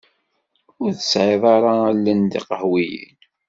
Ur tesɛiḍ ara allen tiqehwiyin.